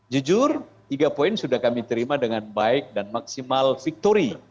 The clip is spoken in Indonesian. jujur tiga poin sudah kami terima dengan baik dan maksimal victori